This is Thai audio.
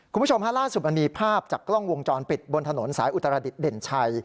คุณผู้ชมฮะล่าสุดมันมีภาพจากกล้องวงจรปิดบนถนนสายอุตรดิษฐเด่นชัย